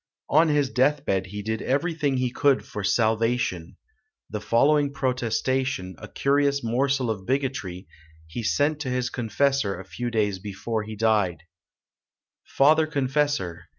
On his death bed he did everything he could for salvation. The following protestation, a curious morsel of bigotry, he sent to his confessor a few days before he died: "Father confessor!